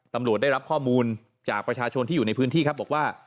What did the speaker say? ตำรวจได้รับข้อมูลจากประชาชนที่อยู่ในพื้นที่ครับบอกว่า